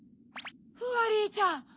フワリーちゃん！